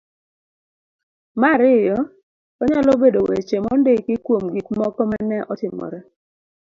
ma ariyo .Onyalo bedo weche mondiki kuom gik moko ma ne otimore..